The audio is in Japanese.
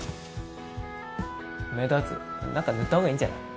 目立つ何か塗ったほうがいいんじゃない？